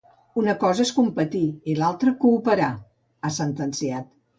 Una cosa és competir i l’altra cooperar, ha sentenciat.